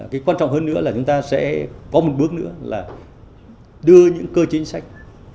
cái quan trọng hơn nữa là chúng ta sẽ có một bước nữa là đưa những cơ chính sách